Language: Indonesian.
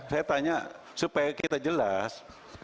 saya tanya supaya kita jelas